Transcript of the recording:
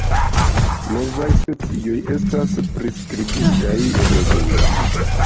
Novaj specioj estas priskribitaj regule.